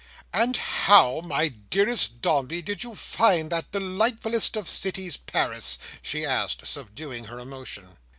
"And how, my dearest Dombey, did you find that delightfullest of cities, Paris?" she asked, subduing her emotion.